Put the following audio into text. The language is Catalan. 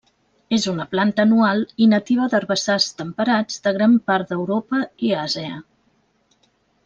És una planta anual i nativa d'herbassars temperats de gran part d'Europa i Àsia.